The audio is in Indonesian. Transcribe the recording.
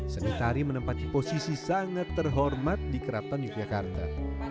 seni tari menempati posisi sangat terhormat di keraton yogyakarta